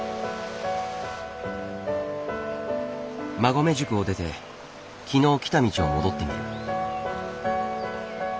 馬籠宿を出て昨日来た道を戻ってみる。